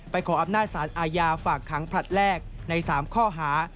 ขออำนาจสารอาญาฝากขังผลัดแรกใน๓ข้อหา